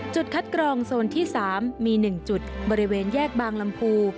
จุดคัดกรองโซนที่๓มี๑จุดบริเวณแยกบางลำพู